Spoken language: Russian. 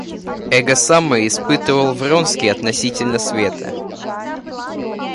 Эго самое испытывал Вронский относительно света.